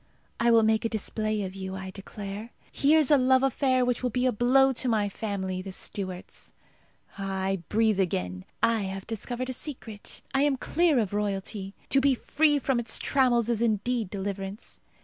I will make a display of you, I declare. Here's a love affair which will be a blow to my family, the Stuarts. Ah! I breathe again. I have discovered a secret. I am clear of royalty. To be free from its trammels is indeed deliverance.